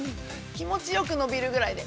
気持ちよく伸びるぐらいで。